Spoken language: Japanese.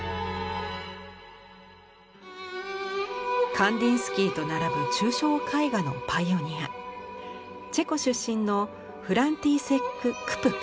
カンディンスキーと並ぶ抽象絵画のパイオニアチェコ出身のフランティセック・クプカ。